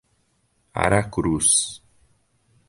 Aracruz